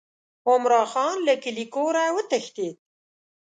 عمرا خان له کلي کوره وتښتېد.